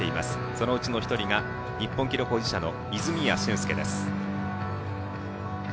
そのうちの１人が日本記録保持者の泉谷駿介です。